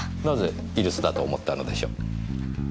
なぜ居留守だと思ったのでしょう？